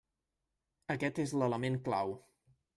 Aquest és l'element clau.